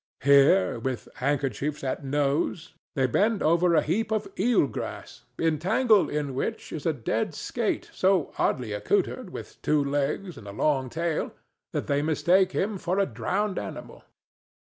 Here, with handkerchiefs at nose, they bend over a heap of eel grass entangled in which is a dead skate so oddly accoutred with two legs and a long tail that they mistake him for a drowned animal.